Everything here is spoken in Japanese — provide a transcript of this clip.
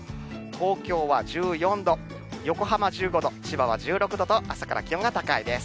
東京は１４度、横浜１５度、千葉は１６度と、朝から気温が高いです。